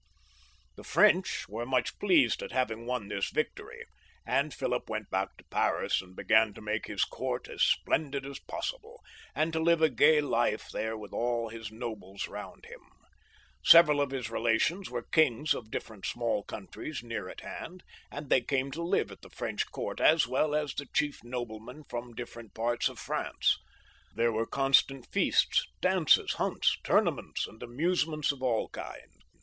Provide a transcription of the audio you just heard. The French were much pleased at having won this^ victory, and Philip went back to Paris, and began to make his court as splendid as possible, and to live a gay life there with all his nobles round him. Several, of his rela tions were kings of diflFerent small countries near at hand, and they came to live at the French court, as well as the chief noblemen from different parts of France. There were constant feasts, dances, hunts, tournaments, and amuse * ments of all kinds.